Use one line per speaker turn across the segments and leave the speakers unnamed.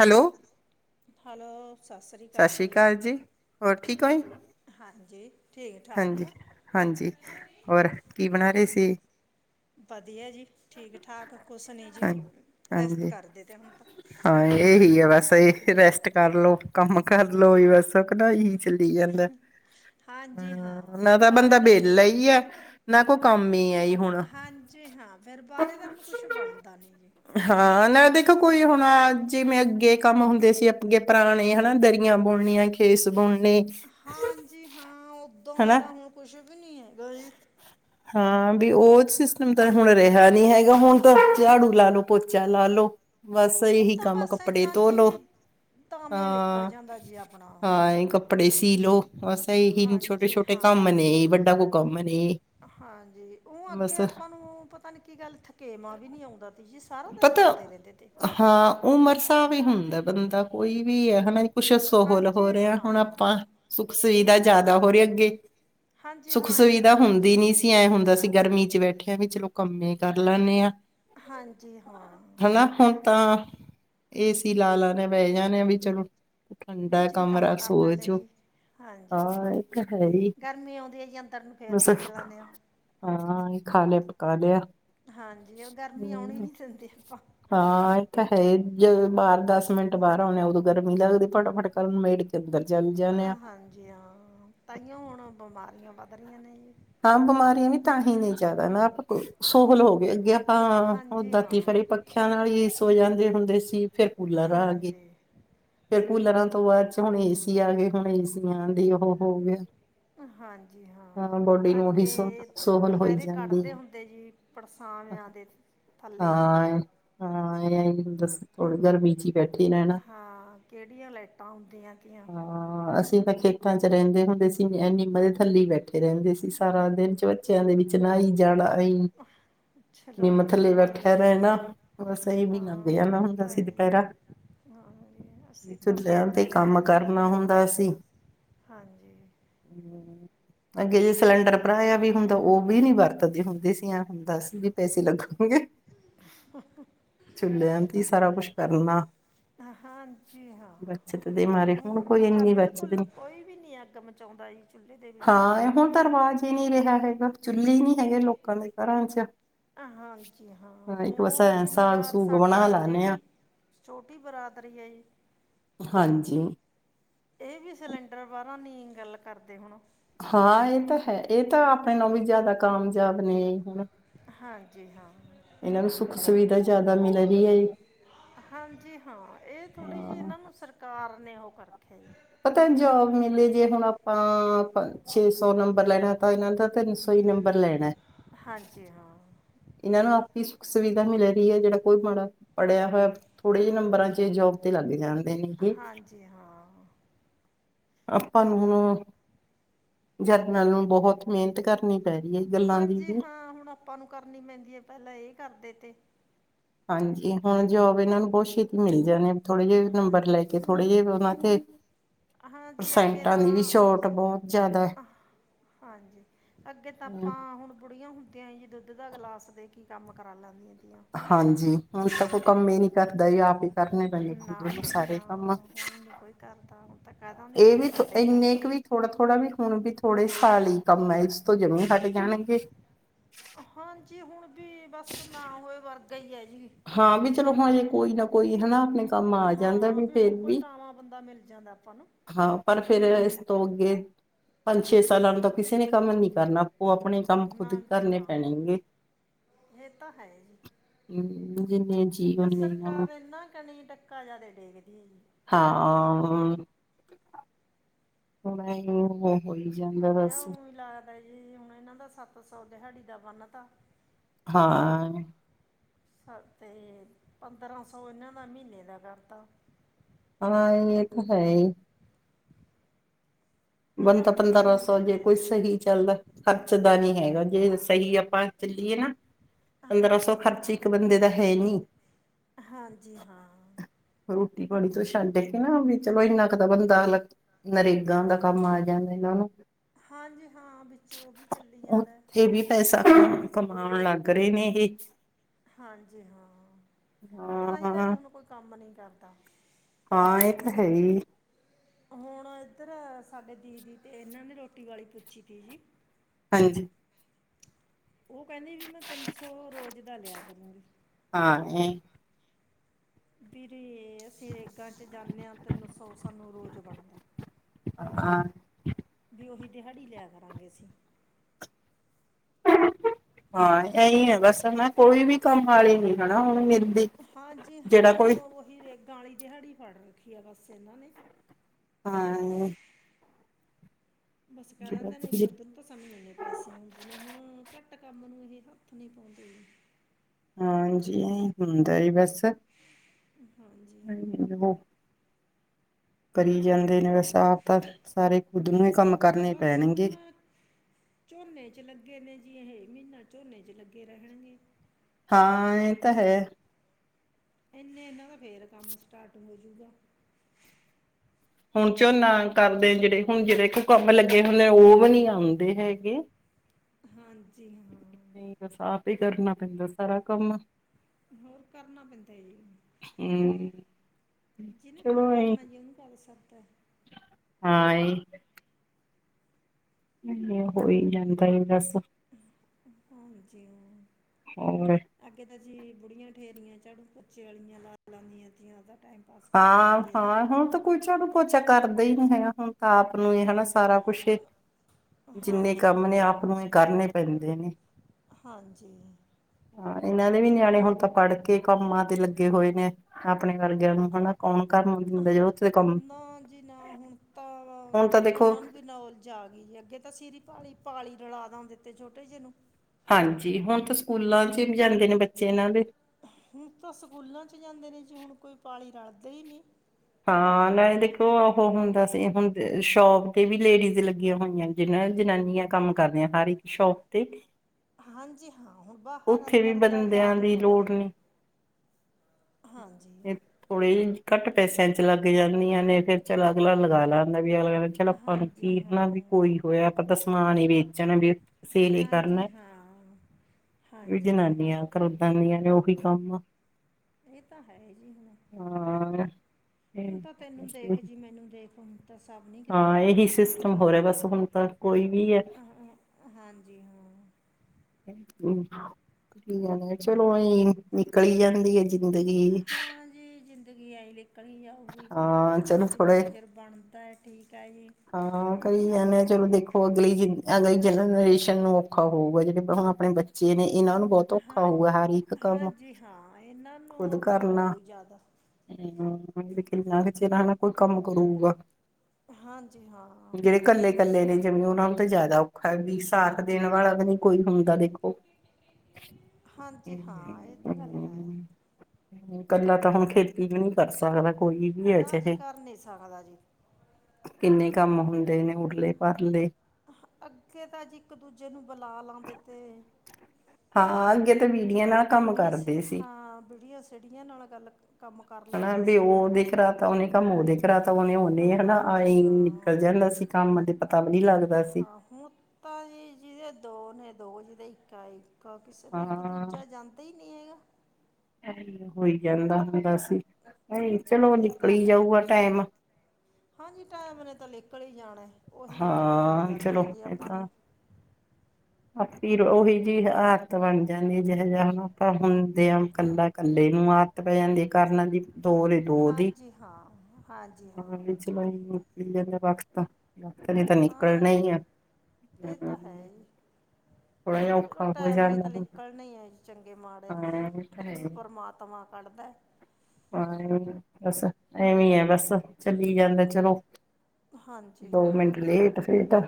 Hello.
Hello.
ਸਤਿ ਸ਼੍ਰੀ ਅਕਾਲ ਜੀ, ਹੋਰ ਠੀਕ ਹੋ ਜ।
ਹਾਂਜੀ। ਠੀਕ ਠਾਕ
ਹਾਂਜੀ, ਹਾਂਜੀ ਹੋਰ ਕੀ ਬਣਾ ਰਹੇ ਸੀ?
ਵਧੀਆ ਜੀ, ਠੀਕ ਠਾਕ, ਕੁਛ ਨੀ ਜੀ,
ਹਾਂ
ਰੈਸਟ
ਹਾਂਜੀ,
ਕਰਦੇ ਤੇ ਹੁਣ ਤਾਂ।
ਹਾਂ ਇਹੀ ਹੈ ਬਸ, ਇਹ ਰੈਸਟ ਕਰ ਲਓ, ਕੰਮ ਕਰ ਲਓ, ਬਸ ਕਢਾਈ ਹੀ ਚੱਲੀ ਜਾਂਦਾ।
ਹਾਂਜੀ ਹਾਂ
ਹਮ ਨਾ
ਫਿਰ
ਤਾਂ
ਬਾਹਰੇ
ਬੰਦਾ ਵਿਹਲ
ਕੁਛ
ਹੀ ਆ, ਨਾ ਕੋਈ ਕੰਮ ਹੀ ਆਈ ਹੁਣ,
ਹਾਂਜੀ, ਹਾਂ ਫਰਬਾਰੇ ਦਾ ਹੁਣ ਕੁਛ ਬਣਦਾ ਨਹੀਂ ਜੀ।
ਹਾਂ, ਨਾ ਦੇਖੋ ਕੋਈ ਹੁਣ, ਜਿਵੇਂ ਅੱਗੇ ਕੰਮ ਹੁੰਦੇ ਸੀ, ਅਗੇ ਪੁਰਾਣੇ ਹਨਾ ਦਰੀਆਂ ਬੋਣਣੀਆਂ। ਖੇਸ ਬੁਣਨੇ
ਹਾਂਜੀ, ਹਾਂ ਓਦੋਂ ਦਾ
ਹਨਾ
ਤਾਂ ਹੁਣ ਕੁਛ ਵੀ ਨੀ ਹੈਗਾ ਜੀ।
ਹਾਂ, ਵੀ ਉਹ ਸਿਸਟਮ ਤਾਂ ਹੁਣ ਰਿਹਾ ਨੀ ਹੈਗਾ, ਹੁਣ ਤਾਂ ਝਾੜੂ ਲਾ ਲਓ। ਪੋਚਾ ਲਾ ਲੋੋ, ਬਸ
ਹੁਣ
ਇਹੀ
ਤਾਂ
ਕੰਮ,
ਬਸ
ਕੱਪੜੇ
ਇੰਨਾ 'ਚ
ਧੋ
ਹੀ
ਲੋ।
ਵੀ ਤਾਂਵੇਂ ਨਿਕਲ
ਹਾਂ,
ਜਾਂਦਾ ਜੀ ਆਪਣਾ
ਹਾਂ ਇਹ ਕੱਪੜੇ ਸੀ ਲੋਓ ਬਸ ਏਹੀ। ਤਿੰਨ ਛੋਟੇ
ਹਾਂਜੀ
-ਛੋਟੇ ਕੰਮ
ਹਾਂ
ਨੇ, ਵੱਡਾ ਕੋ ਕੰਮ ਨੇ।
ਹਾਂਜੀ, ਉਹ ਅੱਗੇ ਆਪਾਂ ਨੂੰ ਪਤਾ ਨੀ ਕੀ ਗੱਲ ਥਕੇਵਾਂ ਵੀ ਨੀ ਆਉਂਦਾ। ਤੀਜੀਸਾਰਾ ਦਿਨ
ਪਤਾ
ਫਿਰਦੇ ਰਹਿੰਦੇ ਤੇ।
ਹਾਂ, ਉਮਰ ਸਾਬ ਹੀ ਹੁੰਦਾ, ਬੰਦਾ ਕੋਈ ਵੀ ਹੈ ਹਨਾ। ਕੁਛ ਸੋਹਲ
ਹਾਂਜੀ
ਹੋ ਰਿਹਾ, ਹੁਣ ਆਪਾਂ
ਹਾਂ
ਸੁਖ ਸੁਵਿਧਾ।
ਇਹੀ
ਜ਼ਿਆਦਾ
ਗੱਲ
ਹੋ ਰਹੀ ਅੱਗੇ,
ਹਾਂਜੀ
ਸੁਖ
ਹਾਂ ਇਹੀ
ਸੁਵਿਧਾ
ਗੱਲ ਹੋ
ਹੁੰਦੀ ਨੀ
ਸਕਦੀ
ਸੀ, ਐਂ ਹੁੰਦਾ ਸੀ ਗਰਮੀ ਚ ਬੈਠੇ। ਮੈ ਆ ਵੀ ਚਲੋ, ਕੰਮੇ ਕਰ ਲੈਂਦੇ ਆ।
ਹਾਂਜੀ, ਹਾਂ।
ਹਨਾ, ਹੁਣ ਤਾਂ ਏਸੀ ਲਾ ਲਾਣੇ ਬਹਿ ਜਾਣੇ ਆ ਵੀ ਚਲੋ। ਠੰਡਾ ਏ
ਵਿੱਚ ਦੀ ਕੰਮ
ਕਮਰਾ
ਕਰ
ਸੁਵੇ
ਲੈਂਦੇ
ਚ।
ਜੀ ਹਾਂਜੀ
ਹਾਂ ਇਹ ਤਾਂ ਹੈ ਹੀ,
ਗਰਮੀ ਆਉਂਦੀ ਹੈ ਜੀ ਅੰਦਰ ਨੂੰ ਫੇਰ
ਬਸ ਇਕ
ਭੱਜ ਲੈਂਦੇ ਆ
ਹਾਂ ਖਾ ਲਿਆ ਪਕਾ ਲਿਆ
ਹਾਂਜੀ ਉਹ ਗਰਮੀ ਆਉਣੀ
ਹੂ
ਨਹੀਂ ਦਿੰਦੇ ਆਪਾਂ
ਹਾਂ ਇਹ ਤਾਂ ਹੈ ਜੋਂ ਬਾਹਰ ਦਸ ਮਿੰਟ ਬਾਹਰ ਆਉਣੇ ਉਦੋਂ ਗਰਮੀ ਲੱਗਦੀ ਫਟਾਫਟ ਕਰਨ ਮੇੜ ਕੇਦ ਜੰ ਜਾਣ ਆ
ਜੀ ਹਾਂ ਤਾਂਹੀਓ ਹੁਣ ਬਿਮਾਰੀਆਂ ਵੱਧ ਰਹੀਆਂ ਨੇ ਜੀ
ਹਾਂ ਬਿਮਾਰੀਆਂ ਵੀ ਤਾਂ ਹੀ ਨਹੀਂ ਜ਼ਿਆਦਾ ਨਾ, ਆਪ ਸੋਹਲ ਹੋ ਗਏ ਅੱਗੇ ਆਪਾਂ ਹਾਂ ਉਹ
ਹਾਂਜੀ ਹਾਂ
ਦਾਤੀ ਫੜ ਪੱਖਿਆਂ ਨਾਲ ਹੀ ਸੋ ਜਾਂਦੇ ਹੁੰਦੇ ਸੀ ਫੇਰ ਕੂਲਰ ਆ ਗਏ
[inaudible]
ਫਿਰ ਕੂਲਰਾਂ ਤੋਂ ਬਾਅਦ ਚ ਹੁਣ ਏਸੀ ਆ ਗਏ ਹੁਣ ਏਸੀਆਂ ਦੀ ਉਹ ਹੋ ਗਿਆ
ਹਾਂਜੀ ਹਾਂ
ਬੋਡੀ ਨੂੰ ਉਹੀ ਸੋ
ਅੱਗੇ
ਸੋਹਲ ਹੋਈ
ਦੁਪਹਿਰੇ
ਜਾਂਦੀ
ਕੱਢਦੇ ਹੁੰਦੇ ਜੀ
ਹੈ
ਪੜਸਾਵਿਆਂ ਦੇ ਥੱਲੇ
ਹਾਂ ਹਾਂ ਦੱਸ ਥੋੜੀ ਗਰਮੀ ਚ ਹੀ ਬੈਠੇ ਰਹਿਣਾ
ਹਾਂ ਕਿਹੜੀਆਂ ਲਾਈਟਾਂ ਹੁੰਦੀਆਂ ਹੁੰਦੀਆਂ ਗਈਆਂ
ਹਾਂ ਅਸੀਂ ਤਾਂ ਖੇਤਾਂ ਚ ਰਹਿੰਦੇ ਹੁੰਦੇ ਸੀ ਇ ਨਮਦੇ ਥੱਲੀ ਬੈਠੇ ਇਕਠੇ ਰਹਿੰਦੇ ਸੀ ਸਾਰਾ ਦਿਨ ਚ ਬੱਚਿਆਂ ਦੇ ਵਿੱਚ ਚਨਾਈ ਜਾਣਾ ਅਈ
ਚਲੋ
ਨਿਮ ਥੱਲੇ
ਵਧੀਆ ਗੱਲ ਹੈ
ਬੈਠਿਆ
ਜੀ
ਰਹਿਣਾ ਬਸਹੀ ਵੀ ਲਦੇ ਆ
ਹਾਂ ਇਹ
ਹੁੰਦਾ
ਤਾਂ
ਸੀ
ਹੈ
ਦੁਪਹਿਰਾ
ਜੀ ਹਾਂਜੀ ਅਸੀਂ ਤਾਂ ਪਿੰਡ
ਚੁੱਲਿਆਂ ਤੇ
ਵਿੱਚ
ਹੀ
ਰਹਿੰਦੇ
ਕੰਮ
ਸੀ
ਕਰਨਾ
ਪਹਿਲਾਂ
ਹੁੰਦਾ ਸੀ
ਹਾਂਜੀ
ਹੂ ਅੱਗੇ ਜੇ ਸਿਲੰਡਰ ਭਰਾਇਆ ਵੀ ਹੁੰਦਾ ਉਹ ਵੀ ਨੀ ਵਰਤਦੀ ਹੁੰਦੀ ਸੀ ਹੁਣ, ਦੱਸ ਵੀ ਪੈਸੇ ਲੱਗਣਗੇ
[inaudible]
ਚੁ੍ਹਿਆਂ ਤੇ ਈ ਸਾਰਾ ਕੁਛ ਕਰਨਾ
ਹਾਂਜੀ ਹਾਂ
ਬਚਤਦੇ ਮਾਰੇ
ਉਹ
ਹੁਣ ਕੋਈ
ਤਾਂ
ਇੰਨੀ ਬਚਤ
ਬਿਲਕੁਲ
ਨੀ
ਕੋਈ ਵੀ ਨਹੀਂ ਅੱਗਮ ਚੋਦਾਹ ਇੰਚ
ਹਾਂ ਇਹ ਹੁਣ ਤਾਂ ਰਿਵਾਜ ਹੀ ਨਹੀਂ ਰਿਹਾ ਹੈਗਾ ਚੁੱਲੇ ਨਹੀਂ ਹੈਗੇ ਲੋਕਾਂ ਦੇ ਘਰਾਂ ਚ
ਹਾਂਜੀ ਹਾਂ
ਇੱਕ ਬਸ
ਹੁਣ
ਐ ਸਾਗ
ਜਿਮੀਦਾਰ
ਸੂਗ ਬਣਾ
ਸਾਡਾ
ਲੈਂਦੇ ਆ
ਜਿਹੜੀ ਛੋਟੀ ਬਰਾਦਰੀ ਹੈ ਜੀ
ਹਾਂਜੀ
ਇਹ ਵੀ ਸਿਲੰਡਰ ਬਾਹਰਾਂ ਨੀ ਗੱਲ ਕਰਦੇ ਹੁਣ
ਹਾਂ ਇਹ ਤਾਂ ਹੈ ਇਹ ਤਾਂ ਆਪਣੇ ਨਾਲ ਵੀ ਜ਼ਿਆਦਾ ਕਾਮਯਾਬ ਨੇ ਹੈ ਨਾ
ਹਾਂਜੀ ਹਾਂ
ਇਹਨਾਂ ਨੂੰ ਸੁੱਖ ਸੁਵਿਧਾ ਜ਼ਿਆਦਾ ਮਿਲ ਹੈ ਜੀ
ਹਾਂਜੀ ਹਾਂ ਇਹ ਥੋੜੀ ਜਿ
ਹਾਂ
ਇਹਨਾਂ ਨੂੰ ਸਰਕਾਰ ਨੇ ਉਹ ਕਰ ਰੱਖਿਆ ਜੀ
ਪਤਾ ਜੋਬ ਮਿਲੀ ਦੀ ਐ, ਹੁਣ ਆਪਾਂ ਛੇ ਸੌ ਨੰਬਰ ਲੈਣਾ ਤਾਂ ਇਹਨਾਂ ਦਾ ਤਿੰਨ ਸੌ ਹੀ ਨੰਬਰ ਲੈਣਾ
ਹਾਂਜੀ ਹਾਂ
ਇਹਨਾਂ ਨੂੰ ਆਪਣੀ ਸੁੱਖ ਸੁਵਿਧਾ ਮਿਲ ਰਹੀ ਹੈ ਜਿਹੜਾ ਕੋਈ ਮਾੜਾ ਪੜਿਆ ਹੋਇਆ ਥੋੜ੍ਹੇ ਜਿਹੇ ਨੰਬਰਾਂ ਚ ਏ ਜੋਬ ਤੇ ਲੱਗ ਜਾਂਦੇ ਨੇ ਇਹ
ਹਾਂਜੀ ਹਾਂ
ਆਪਾਂ ਨੂੰ ਜਤਨਾਂ ਨੂੰ ਬਹੁਤ ਮਿਹਨਤ ਕਰਨੀ ਪੈ ਰਹੀ ਹੈ ਇਹ ਗੱਲਾਂ ਦੀ
ਹਾਂਜੀ
ਵੀ
ਹਾਂ ਹੁਣ ਆਪਾਂ ਨੂੰ ਕਰਨੀ ਪੈਂਦੀ ਹੈ ਪਹਿਲਾਂ ਇਹ ਕਰਦੇ ਤੇ
ਹਾਂਜੀ ਹੁਣ ਜੋਬ ਇਹਨਾਂ ਨੂੰ ਬਹੁਤ ਛੇਤੀ ਮਿਲ ਜਾਣੇ ਥੋੜੇ ਜਿਹੇ ਵੀ ਨੰਬਰ ਲੈ
ਹਾਂਜੀ
ਕੇ ਥੋੜੇ ਜਿਹੇ ਉਹਨਾਂ ਤੇ
ਹਾਂਜੀ ਅੱਗੇ
ਪਰਸੈਂਟਾਂ
ਤਾਂ
ਦੀ ਵੀ ਛੋਟ ਬਹੁਤ ਜ਼ਿਆਦਾ ਹੈ
ਹਾਂਜੀ ਅੱਗੇ ਤਾਂ ਆਪਾਂ ਹੁਣ ਬੁੜੀਆਂ ਹੁੰ ਤੇ ਐਂ ਜੀ ਦੁੱਧ ਦਾ ਗਿਲਾਸ ਦੇ ਕੇ ਕੰਮ ਕਰਾ ਲੈਂਦੀਆਂ ਤੀਆਂ।
ਹਾਂਜੀ ਹੁਣ ਤਾਂ ਕੋਈ ਕੰਮ ਈ ਨੀ ਕਰਦਾ ਆਪ ਈ
ਨਾ ਜੀ ਨਾ ਹੁਣ ਨੀ ਕੋਈ ਕਰਦਾ ਹੁਣ ਤਾਂ ਕਹਿ ਦਿੰਦੀਆਂ
ਇਹ
ਨੇ
ਵੀ
ਸਾਡੇ ਏ
ਇੰਨੇ
ਕਰਦੋ
ਕੁ ਵੀ ਥੋੜਾ ਥੋੜਾ ਵੀ ਹੁਣ ਵੀ ਥੋੜੇ ਸਾਲ ਈ ਕੰਮ ਐ ਇਸ ਤੋਂ ਜਮੀ ਹਟ ਜਾਣਗੇ।
ਹਾਂਜੀ ਹੁਣ ਵੀ ਬਸ ਨਾ ਹੋਏ ਵਰਗਾ ਹੀ ਐ ਜੀ।
ਹਾਂ ਵੀ ਚਲੋ ਹਜੇ ਕੋਈ ਨਾ ਕੋਈ ਹਨਾ ਆਪਣੇ ਕੰਮ ਆ ਜਾਂਦਾ
ਹਾਂ ਵੀ
ਫੇਰ
ਹੁਣ ਕੋਈ ਟਾਵਾਂ ਬੰਦਾ ਮਿਲ ਜਾਂਦਾ ਆਪਾਂ ਨੂੰ।
ਹਾਂ ਪਰ ਫੇਰ ਇਸ ਤੋਂ ਅੱਗੇ ਪੰਜ ਛੇ ਸਾਲਾਂ ਨੂੰ ਤਾਂ ਕਿਸੇ ਨੇ ਕੰਮ ਨੀ ਕਰਨਾ। ਉਹ ਆਪਣੇ ਕੰਮ ਖੁਦ
ਨਾ
ਈ
ਜੀ
ਕਰਨੇ
ਨਾ।
ਪੈਣੇਗੇ।
ਇਹ ਤਾਂ ਹੈ ਜੀ।
ਹੂੰ ਜਿੰਨੇ ਜੀ
ਤੇ
ਓਨੇ ਹੀ ਕੰਮ
ਸਰਕਾਰ ਇਨਾ ਕਣੀ ਡੱਕਾ ਜਿਆਦਾ ਡੇਕਦੀ ਆ ਜੀ।
ਹਾਂ, [unintelligible] ਕੋਈ ਨੀ ਜਾਂਦਾ। ਬਸ
ਕਿਉਂ ਉਈ ਲੱਗਦਾ ਜੀ ਹੁਣ ਇਹਨਾਂ ਦਾ ਸੱਤ ਸੌ ਦਿਹਾੜੀ ਦਾ ਬੰਨ ਤਾਂ।
ਹਾਂ,
ਤੇ ਪੰਦਰਾਂ ਸੌ ਇਹਨਾਂ ਦਾ ਮਹੀਨੇ ਦਾ ਕਰਤਾ।
ਹਾਂਜੀ ਇਹ ਤਾਂ ਹੈ ਜੀ।
ਇਹ
ਬੰਦਾ
ਆਪਣੇ ਨੂੰ
ਪੰਦਰਾਂ ਸੌ
ਮੂਹਰੇ
ਜੇ ਕੋਈ
ਨੇ
ਸਹੀ ਚੱਲਦਾ ਖਰਚ ਦਾ ਨੀ ਹੈਗਾ ਜੇ ਸਹੀ ਆਪਾਂ ਚੱਲੀਏ ਨਾ। ਪੰਦਰਾਂ ਸੌ
ਹਾਂਜੀ
ਖਰਚ ਇੱਕ
ਹਾਂ
ਬੰਦੇ ਦਾ ਹੈ ਨੀ।
ਹਾਂਜੀ ਹਾਂ।
ਰੋਟੀ ਪਾਣੀ ਤੋਂ ਛੱਡ ਕੇ ਨਾ ਵੀ ਚਲੋ ਇੰਨਾ ਕ ਤਾਂ ਬੰਦਾ ਨਰੇਗਾ ਦਾ ਕੰਮ ਆ ਜਾਂਦਾ ਇਹਨਾਂ ਨੂੰ
ਹਾਂਜੀ ਹਾਂ ਵਿੱਚ ਉਹ ਵੀ ਚੱਲੀ ਜਾਂਦਾ
ਉੱਥੇ ਵੀ ਪੈਸਾ ਕਮ ਕਮਾਣ ਲੱਗ ਰਹੇ ਨੇ ਇਹ
ਹਾਂਜੀ ਹਾਂ ਤਾਂ ਹੀ ਤਾਂ ਜੀ
ਹਾਂ
ਹੁਣ ਕੋਈ ਕੰਮ ਨੀ ਕਰਦਾ।
ਹਾਂ ਇਹ ਤਾਂ ਹੈਈ ਆ ਜੀ।
ਹੁਣ ਇੱਧਰ ਸਾਡੇ ਦੀਦੀ ਤੇ ਇਹਨਾਂ ਨੇ ਰੋਟੀ ਵਾਲੀ ਪੁੱਛੀ ਤੀ ਜੀ।
ਹਾਂਜੀ,
ਓ ਕਹਿੰਦੀ ਵੀ ਮੈਂ ਤਿੰਨ ਸੌ ਰੋਜ਼ ਦਾ ਲਿਆ ਕਰੂੰਗੀ।
ਹਾਂ ਨਹੀਂ
ਵੀਰੇ ਅਸੀਂ ਇੱਕ ਘਰ 'ਚ ਜਾਂਦੇ ਆ ਤਿੰਨ ਸੌ ਸਾਨੂੰ ਰੋਜ਼ ਬਣਦਾ।
ਹਾਂ,
ਵੀ ਓਹੀ ਦਿਹਾੜੀ ਲਿਆ ਕਰਾਂਗੇ ਅਸੀਂ
ਹਾਂ ਇਹੀ ਆ ਬਸ ਹਨਾ ਕੋਈ ਵੀ ਕੰਮ ਆਲੀ ਨੀ ਹਨਾ ਹੁਣ ਮਿਲਦੀ।
ਹਾਂਜੀ ਹਾਂ
ਜਿਹੜਾ ਕੋਈ
ਹੁਣ ਉਹੀ ਨਰੇਗਾ ਆਲੀ ਦਿਹਾੜੀ ਫੜ ਰੱਖੀ ਆ ਬਸ ਇਹਨਾਂ ਨੇ
ਹਾਂ
ਬਸ ਕਹਿ ਦਿੰਦੇ ਨੇ [unintelligible] ਸਾਨੂੰ ਐਨੇ ਪੈਸੇ ਆਉਂਦੇ ਨੇ ਹੁਣ ਘੱਟ ਕੰਮ ਨੂੰ ਇਹ ਹੱਥ ਨੀ ਪਾਉਂਦੇ।
ਹਾਂਜੀ ਹੁੰਦਾ ਜੀ ਬਸ
ਹਾਂਜੀ ਹਾਂ
ਉਹ ਕਰੀ ਜਾਂਦੇ ਨੇ
ਬ
ਵੈਸੇ ਆਪ ਤਾਂ ਸਾਰੇ ਖੁਦ ਨੂੰ ਹੀ ਕੰਮ ਕਰਨੇ
ਬਸ
ਪੈਣਗੇ।
ਹੁਣ ਝੋਨੇ 'ਚ ਲੱਗੇ ਨੇ ਜੀ ਇਹ ਮਹੀਨਾ ਝੋਨੇ 'ਚ ਲੱਗੇ ਰਹਿਣਗੇ।
ਹਾਂ ਇਹ ਤਾਂ ਹੈ।
ਏਨ ਇਹਨਾਂ ਦਾ ਫੇਰ ਕੰਮ ਸਟਾਰਟ ਹੋਜੂਗਾ।
ਹੁਨ ਝੋਨਾ ਕਰਦੇ ਜਿਹੜੇ ਹੁਨ ਜੇੜੇ ਕੁੁ ਕੰਮ ਲੱਗੇ ਹੱਲੇ, ਓ ਵੀ ਨੀ ਆਂਦੇ ਹੈਗੇ।
ਹਾਂਜੀ, ਹਾਂ।
ਠੀਕ ਬਾਸ ਆਪ ਈ ਕਰਨਾ ਪੈਂਦਾ ਸਾਰਾ ਕੰਮ
ਹੋਰ ਕਰਨਾ ਪੈਂਦਾ ਐ ਜੀ।
ਹੂੰ।
ਜਿਨੇ ਕੰਮ ਕਰਨੇ ਜੇ ਓਨੂੰ ਕਾਰ ਸਕਤੈ
ਹਾਂਏ ਹੋ ਹੀ ਜਾਂਦਾ ਏ ਤਾ ਸਬ
ਹਾਂਜੀ ਹਾ
ਬੰਬਈ
ਅੱਗੇ ਤਾਂ ਜੀ ਬੁੜੀਆਂ ਠੇਰੀਆਂ, ਝਾੜੂ ਪੋੱਚੇ ਆਲੀਆਂ ਲਾ ਲਾਦੀਆਂ ਤੀ ਜਾਦਾ ਟੈਮ।
ਹਾਂ, ਹਾਂ ਹੂਨ ਤਾਂ ਕੋਈ ਝਾੜੂ ਪੋਚਾ ਕਾਰਦਾ ਈ ਨੀ ਹੈਗਾ, ਹੁਣ ਤਾਂ ਆਪ ਨੂੰ ਹੀ ਹੈਨਾ ਸਾਰਾ ਕੁਸ਼ ਜਿੰਨੇ
ਹਾਂਜੀ
ਕੰਮ ਨੇ
ਹਾਂ
ਆਪ ਨੂੰ ਈ ਕਾਰਨੇ ਪੈਂਦੇ ਨੇ।
ਹਾਂਜੀ।
ਹਾਂ ਇਨਾਂ ਦੇ ਵੀ ਨਿਆਣੇ ਹੁਨ ਤਾਂ ਪੜ ਕੇ, ਕੰਮਾਂ ਤੇ ਲੱਗੇ ਹੋਏ ਨੇ, ਅਪਨੇ ਵਰਗੇਆਂ
ਅ, ਅ ਨਾ ਜੀ ਨਾ ਹੁਣ ਤਾ
ਹੁਣ ਤਾਂ ਦੇਖੋ
ਏਨਾਂ ਨੂੰ ਵੀ ਨਾਉਲਜ ਜਾ ਗਈ ਏ, ਅੱਗੇ ਤਾਂ ਸੀਰੀ ਪਾਲੀ, ਪਾਲੀ ਰਲਾ ਦਾਂ ਦੇਤੇ ਛੋਟੇ ਜੇ ਨੂੰ
ਹਾਂਜੀ, ਹੁਨ ਤੇ ਸੂਕੂਲਾਂ ਚ ਵੀ ਜਾਂਦੇ ਨੇ ਬੱਚੇ ਏਨਾਂ ਦੇ।
ਹੁਨ ਤਾਂ ਸੂਕੂਲਾਂ ਚ ਜਾਂਦੇ ਨੇ ਜੀ ਹੁਣ ਕੋਈ ਪਾਲੀ ਰਾਲਦੇ ਈ ਨੀ।
ਹਾਂ ਨਾ ਦੇਖੋ ਓਹ ਹੁੰਦਾ ਸੀ, ਹੁਨ ਸ਼ੋਪ ਤੇ ਵੀ ਲੇਡੀਜ਼ ਲਗੀਆਂ ਹੋਈਆਂ ਨੇ ਜਿਨਾ ਜਨਾਨੀਆਂ ਕੰਮ ਕਾਰਦੀਆਂ ਹਰ ਇਕ ਸ਼ੋਪ ਤੇ
ਹਾਂਜੀ ਹਾਂ ਹੁਣ ਬਾਹਰ
ਉੱਥੇ ਵੀ
ਅੰਦਰ ਦਾ ਜਾਦੇ ਹੋ ਰੇ ਜੀ। ਹਾਂਜੀ
[unintelligible] ਥੋੜੀ ਜੀ ਕਾੱਟ ਪੈਸੇਆਂ ਚ ਲਾੱਗ ਜਾਂਦੀਆਂ ਨੇ, ਫੇਰ ਚਲਾ ਅਗਲਾ ਲਗਾ ਲੈਂਦਾ ਵੀ ਅਲਗ ਚੱਲ ਆਪਾਂ ਨੂੰ
ਹਾਂਜੀ
ਕੀਰਨਾ ਵੀ
ਹਾਂ
ਕੋਈ ਹੋਏਆ ਅਪਾਂ ਤਾਂ ਸਮਾਨ ਈ ਵੇਚਨਾ ਵੇ, ਸੇਲ ਈ ਕਾਰਨਾ
ਹਾਂਜੀ ਹਾਂ
ਵੀ
ਹਾਂਜੀ
ਜਨਾਨੀਆਂ ਕਰਦਾਨੀਆਂ ਨੇ ਓਹੀ ਕੰਮ
ਏ ਤਾ ਹੈ ਜੀ ਹੁਣੇ
ਹਾਂ
ਹੂਨ ਤਾਂ ਤੈਨੂੰ ਦੇਖ ਜੀ, ਮੈਨੂੰ ਦੇਖ, ਹੂਨ ਤਾਂ ਸਬ ਨੇ ਕੀਤਾ ਤੋ ਰੱਖੇਆ ਜੀ।
ਤਾ ਕੋਈ ਵੀ ਐ
ਹਾਂ ਹਾਂਜੀ, ਹਾਂ।
ਚਲੋ ਐ ਨਿਕਲੀ ਜਾਂਦੀ ਏ
ਹਾਂ ਜੀ ਜ਼ਿੰਦਗੀ ਐਈ ਨਿਕਲੀ ਜਾਊਗੀ।
ਹਾਂ ਚਲੋ
ਜਿੰਨਾ
ਥੋੜੇ
ਕ ਚਿਰ ਬਣਦੈ, ਠੀਕ ਹੈ ਜੀ।
ਹਾਂ ਕਈ ਜਾਨੇ ਆ ਚਲੋ ਦੇਖੋ ਅਗਲੀ ਜ, ਅਗਲੀ ਜਨਰੇਸ਼ਨ ਨੂੰ ਔਖਾ ਹੋਊਗਾ ਜੇੜੇ ਹੁਣ ਆਪਣੇ ਬੱਚੇ ਨੇ, ਇਨਾਂ ਨੂੰ ਬੋਤ
ਹਾਂ
ਔਖਾ ਹੋਊਗਾ, ਹਾਰੀ
ਹਾਂਜੀ ਹਾਂ ਏਨਾਂ ਨੂੰ ਔਖਾ ਹੋਊ ਜਾਦਾ।
ਕਿਨਾੱ ਕ ਚਿਰਾਂ, ਕੋਈ ਕੰਮ ਕਰੂਗਾ।
ਹਾਂਜੀ, ਹਾਂਹਾ
ਕੱਲੇ, ਕੱਲੇ ਨੇ ਜਿਵੇਂ ਓਨਾਂ ਨੂੰ ਤੇ ਜਾਦਾ ਔਖਾ ਐ, ਵੀ ਸਾਥ ਦੇਣ ਵਾਲਾ ਵੀ ਨੀ ਕੋਈ ਹੁੰ ਹੂਦਾ ਦੇਖੋ
ਹਾਂਜੀ, ਹਾਂ ਏ ਤਾਂ ਗਾਲ ਹੈ।
ਕੱਲਾ ਤਾਂ ਹੁਨ ਖੇਤੀ ਵੀ ਨੀ ਕਾਰ ਸਕਦਾ, ਕੋਈ ਵੀ ਹੈ
ਨਾ ਜੀ
ਚਾਹੇ
ਕਰ ਨਹੀਂ ਸਕਦਾ ਜੀ
ਕਿੰਨੇ ਕੰਮ ਹੁੰਦੇ ਨੇ, ਉਰਲੇ ਪਰਲੇ।
ਅੱਗੇ ਤਾਂ ਜੀ ਇਕ ਦੂਜੇ ਨੂੰ ਬੁਲਾ ਲਾਂਦੇ ਤੇ
ਹਾਂ, ਅਗੇ ਵੀਡੀਆਂ ਨਾਲ ਕੰਮ
ਬੜੀਆਂ ਸ
ਕਾਰਦੇ ਸੀ,
ਹਾਂ ਬੜੀਆਂ ਸਿੜੀਆਂ ਨਾਲ ਗੱਲ ਕੰਮ ਕਰ
ਹਨਾ
ਲਾਂਦੇ
ਬੀ
ਸੀ
ਓ ਦੇਖ ਰਾਤ ਤਾਂ ਓਨੇ ਕੰਮ ਓ ਦੇਖ ਬਰਾ ਤਾਂ ਓਨੇ, ਓਨੇ ਹੇਗਾ,
ਹਾਂਜੀ
ਆਈ ਨਿਕਲ
ਹਾਂ
ਜਾਂਦਾ ਸੀ ਕੰਮ, ਤੇ ਪਤਾ ਵੀ ਨੀ ਲਾਗਦਾ ਸੀ।
[unintelligible] ਤਾ ਜੀ, ਜਿਹਦੇ ਦੋ ਨੇ ਦੋ, ਜਿਹਦੇ ਇੱਕ, ਇੱਕ ਕਿਸੇ ਦਾ ਇੱਕ
ਹਾਂ
ਦੂਜਾ ਜਾਂਦਾ ਉਤਰ ਹੀ ਨਹੀਂ ਹੈਗਾ
ਹੋ ਜਾਂਦਾ ਹੁੰਦਾ ਸੀ, ਨਹੀਂ ਚਲੋ
ਇਹ ਤਾਂ
ਨਿਕਲੀ ਜਾਊਗਾ ਟਾਈਮ
ਹਾਂਜੀ ਟਾਈਮ ਨੇ ਤਾਂ ਲਿਕਲ ਹੀ ਜਾਣਾ, ਉਹੀ ਆਦਤ ਪੈ
ਹਾਂ
ਜਾਂਦੀ
ਚਲੋ
ਹੈ ਜੇ ਆਪਾਂ ਨੂੰ [inaudible]
ਆਪ ਉਹੀ ਜਿਹੀ ਆਤ ਬਣ ਜਾਂਦੀ ਜਿ ਜਿਹਾ ਆਪਾਂ ਹੁੰਣਦੇ ਹ ਕੱਲਾ ਕੱਲੇ ਨੂੰ ਆ ਪੈ ਜਾਂਦੀ, ਕਾਰਨਾਂ ਦੀ ਦੋ ਦੋ
ਹਾਂਜੀ ਹਾਂ, ਹਾਂਜੀ ਹਾਂ
ਚਈਦੇ ਵਕਤ [unintelligible] ਨੇ ਤਾਂ
ਹਾਂ,
ਨਿਕਲਣਾ ਹੀ ਆ
ਇਹ ਤੇ ਹੈ ਹੀ
ਥੋੜਾ ਜਿਹਾ
ਚਲੋ
ਔਖਾ ਹੋ
ਟੈਮ ਨੇ
ਜਾਂਦਾ
ਤਾਂ
ਹੁਣ
ਨਿਕਲਣਾ ਆ, ਚੰਗੇ ਮਾੜੇ, ਆ
ਹਾਂ ਇਹ ਤਾਂ ਹੈ
ਪਰਮਾਤਮਾ ਕੱਢਦਾ
ਹਾਂਵੇ ਬਸ, ਐਵੇਂ ਐ ਬਸ, ਚੱਲੀ ਜਾਂਦਾ ਚਲੋ
ਹਾਂਜੀ
ਦੋ ਮਿੰਟ
ਹਾਂ,
ਲੇਟ ਫੇਰ ਤਾਂ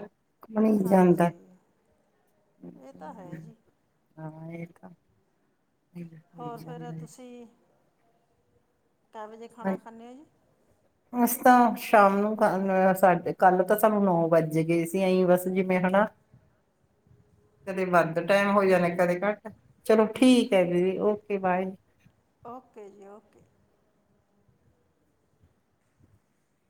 ਬਣੀ ਜਾਂਦਾ
ਹਾਂਜੀ ਇਹ ਤਾਂ ਹੈ ਜੀ
ਹਾਂ ਇਹਕ
ਹੋਰ ਫਿਰ ਤੁਸੀਂ, ਕੈ ਵਜੇ ਖਾਣਾ ਖਾਂਦੇ ਹੋ ਜੀ
ਅਸੀ ਤਾਂ ਸ਼ਾਮ ਨੂੰ ਕ ਸਾਡੇ, ਕੱਲ ਤਾਂ ਸਾਨੂੰ ਨੌ ਵੱਜ ਗਏ ਸੀ ਤੇ ਆਈ ਵਸ ਜਿਵੇ ਹਨਾ ਕਦੇ ਵੱਧ ਟਾਈਮ ਹੋ ਜਾਣੇ, ਕਦੇ ਘੱਟ, ਚਲੋ ਠੀਕ ਹੈ ਦੀਦੀ ਓਕੇ ਬਾਏ
ਓਕੇ ਜੀ ਓਕੇ [inaudible]